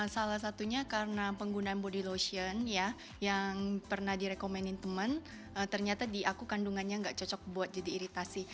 salah satunya karena penggunaan body lotion yang pernah direkomenin teman ternyata di aku kandungannya nggak cocok buat jadi iritasi